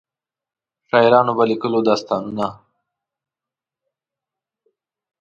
شاعرانو به لیکلو داستانونه.